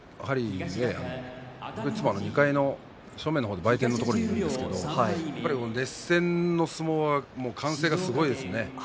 いつも２階の正面の売店のところにいるんですけれど熱戦の相撲は歓声がすごいですね。